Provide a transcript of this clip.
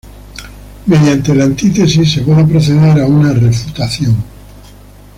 Mediante la antítesis se puede proceder a una refutación.